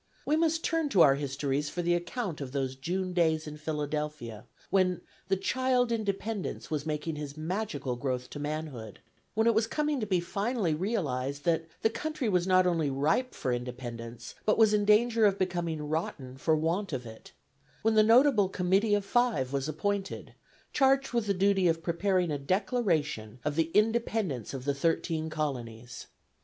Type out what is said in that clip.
We must turn to our histories for the account of those June days in Philadelphia, when "the child Independence" was making his magical growth to manhood; when it was coming to be finally realized that "the country was not only ripe for independence, but was in danger of becoming rotten for want of it"; when the notable Committee of Five was appointed, charged with the duty of preparing a Declaration of the Independence of the thirteen colonies.